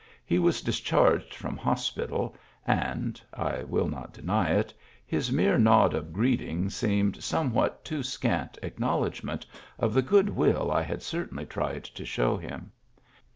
He was discharged from hospital, and (I will not deny it) his mere nod of greeting seemed some what too scant acknowledgment of the good will Digitized by Google ,THE GIFT HORSE 169 I had certainly tried to show him.